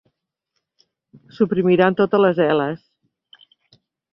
Suprimiran totes les eles.